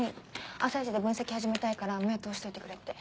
朝いちで分析始めたいから目通しておいてくれって。